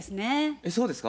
えっそうですか？